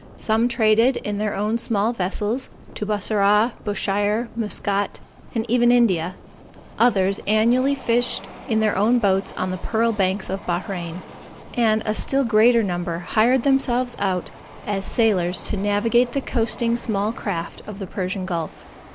Some traded in their own small vessels to Bussorah, Bushire, Muscat, and even India; others annually fished in their own boats on the pearl banks of Bahrain; and a still greater number hired themselves out as sailors to navigate the coasting small craft of the Persian Gulf.